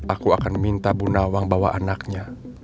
aku akan minta bu nawang bawa anaknya